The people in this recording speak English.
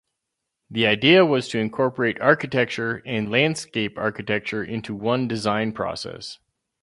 The idea was to incorporate architecture and landscape architecture into one design process.